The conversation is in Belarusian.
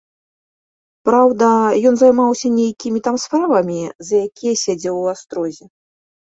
Праўда, ён займаўся нейкімі там справамі, за якія сядзеў у астрозе.